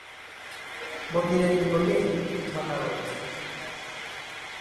মন্দিরের নিকটেই একটি ঝরনা রয়েছে।